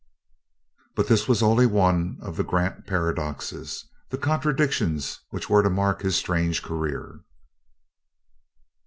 But this was only one of the Grant paradoxes the contradictions which were to mark his strange career.